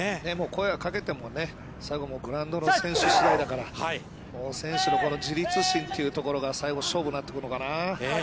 ◆声をかけても、最後はグラウンドの選手次第だから、選手の自立心というところが最後勝負になってくるのかな。